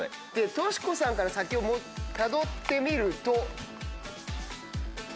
敏子さんから先をたどってみると。